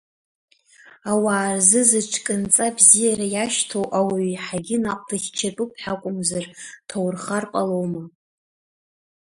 Ауаа рзы зыҽкынҵа абзиара иашьҭоу ауаҩы еиҳагьы наҟ дыхьчатәуп ҳәа акәымзар дҭаурхар ҟалоума!